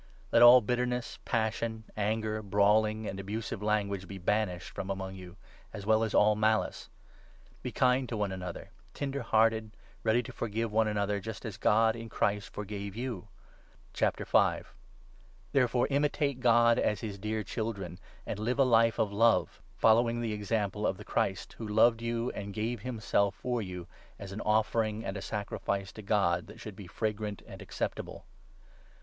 'Let all bitterness, passion, anger, 31 brawling, and abusive language be banished from among you, as well as all malice. Be kind to one another, tender 32 hearted, ready to forgive one another, just as God, in Christ, forgave you. Therefore imitate God, as his dear children, i , and live a life of love, following the example of the Christ, 2 who loved you and gave himself for you as ' an offering and a sacrifice to God, that should be fragrant and acceptable.'